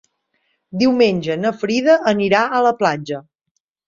Diumenge na Frida anirà a la platja.